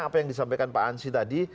apa yang disampaikan pak ansy tadi